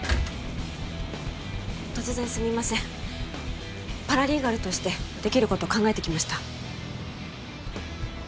突然すみませんパラリーガルとしてできること考えてきました